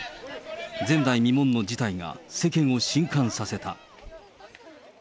前代未聞の事態が世間をしんかんさせた。